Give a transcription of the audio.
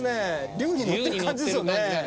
竜に乗ってる感じですよね。